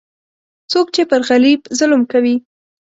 څوک چې پر غریب ظلم کوي،